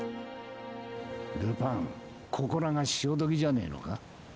ルパン、ここらが潮時じゃねえのか。